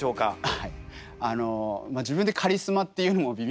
はい。